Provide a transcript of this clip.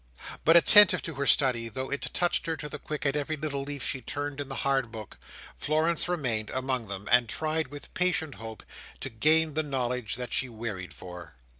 But attentive to her study, though it touched her to the quick at every little leaf she turned in the hard book, Florence remained among them, and tried, with patient hope, to gain the knowledge that she wearied for.